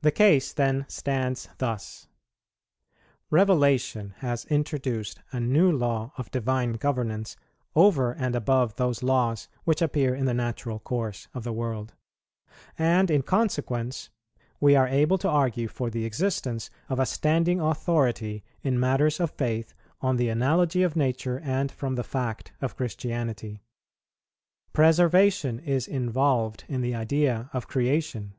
The case then stands thus: Revelation has introduced a new law of divine governance over and above those laws which appear in the natural course of the world; and in consequence we are able to argue for the existence of a standing authority in matters of faith on the analogy of Nature, and from the fact of Christianity. Preservation is involved in the idea of creation.